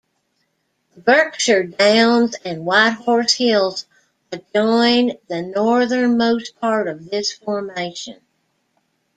The Berkshire Downs and White Horse Hills adjoin the northernmost part of this formation.